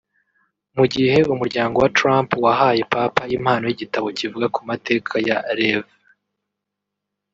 Mu gihe umuryango wa Trump wahaye Papa impano y’igitabo kivuga ku mateka ya Rev